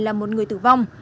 là một người tử vong